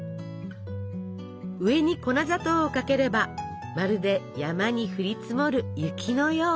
上に粉砂糖をかければまるで山に降り積もる雪のよう。